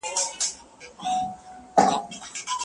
که هغه زما بلنه ومني، زه به ورته میلمستیا وکړم.